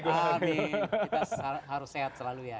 hari kita harus sehat selalu ya